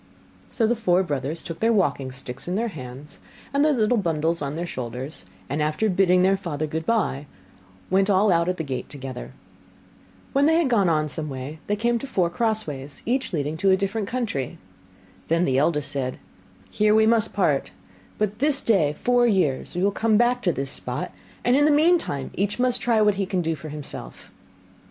So the four brothers took their walking sticks in their hands, and their little bundles on their shoulders, and after bidding their father goodbye, went all out at the gate together. When they had got on some way they came to four crossways, each leading to a different country. Then the eldest said, 'Here we must part; but this day four years we will come back to this spot, and in the meantime each must try what he can do for himself.